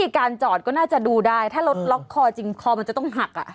การจอดก็น่าจะดูได้ถ้ารถล็อกคอจริงคอมันจะต้องหัก